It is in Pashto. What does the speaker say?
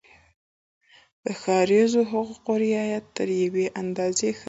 د ښاریزو حقوقو رعایت تر یوې اندازې ښه شي.